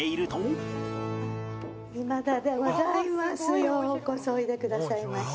ようこそおいでくださいまして。